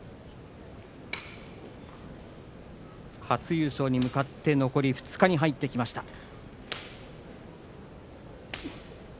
初優勝に向かって残り２日に入ってきました。